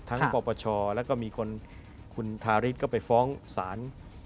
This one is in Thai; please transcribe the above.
ปปชแล้วก็มีคนคุณทาริสก็ไปฟ้องศาล